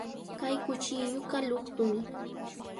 Kay kuchilluqa luqtumi.